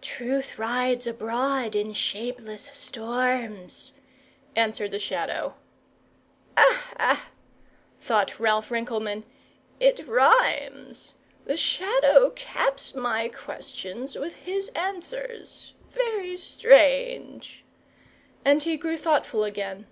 "Truth rides abroad in shapeless storms," answered the Shadow. "Ha! ha!" thought Ralph Rinkelmann, "it rhymes. The Shadow caps my questions with his answers. Very strange!" And he grew thoughtful again.